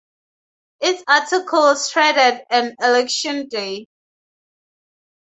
Its articles trended on Election Day.